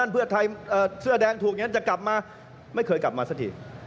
เพื่อท